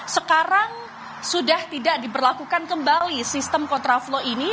sekarang sudah tidak diberlakukan kembali sistem kontraflow ini